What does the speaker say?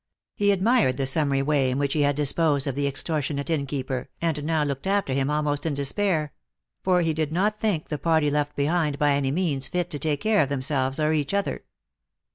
He admired the summary way in which he had disposed of the extor tionate inn keeper, and now looked after him almost in despair ; for he did not think the party left behind by any means fit to take care of themselves or each other.